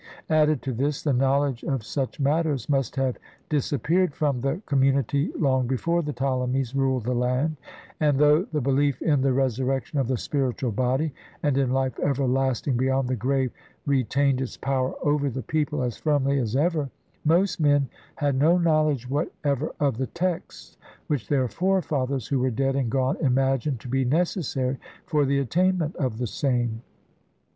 Added to this, the knowledge of such matters must have disappeared from the com munity long before the Ptolemies ruled the land, and, though the belief in the resurrection of the spiritual body and in life everlasting beyond the grave re tained its power over the people as firmly as ever, most men had no knowledge whatever of the texts which their forefathers who were dead and gone imagined to be necessary for the attainment of the same.